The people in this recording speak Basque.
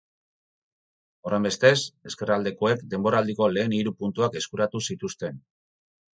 Horrenbestez, ezkerraldekoek denboraldiko lehen hiru puntuak eskuratu zituzten.